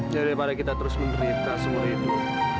jadi daripada kita terus menderita semua itu